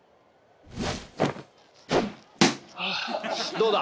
どうだ？